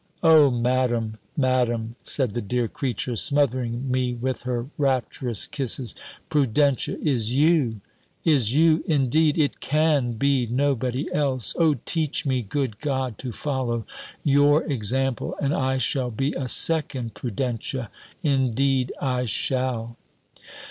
"O Madam! Madam!" said the dear creature, smothering me with her rapturous kisses, "Prudentia is YOU! Is YOU indeed! It can be nobody else! O teach me, good God! to follow your example, and I shall be a Second Prudentia Indeed I shall!"